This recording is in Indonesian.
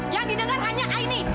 yang didengar hanya aini